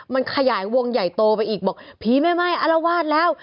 มันขยายวงใหญ่โตไปอีกบอกผีไม่ไหม้อารวาสแล้ว